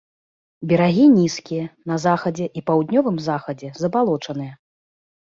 Берагі нізкія, на захадзе і паўднёвым захадзе забалочаныя.